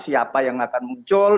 siapa yang akan muncul